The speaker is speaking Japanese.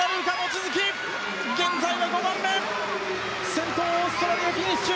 先頭、オーストラリアフィニッシュ。